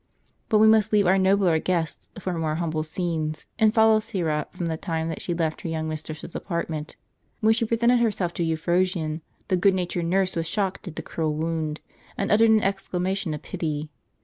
But we must leave our nobler guests for more humble scenes, and follow Syra from the time that she left her young mistress's apartment. When she presented herself to Eu phrosyne, the good natured nurse was shocked at the cruel wound, and uttered an exclamation of pity.